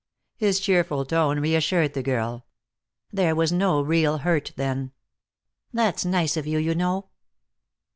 His cheerful tone reassured the girl. There was no real hurt, then. "That's nice of you, you know."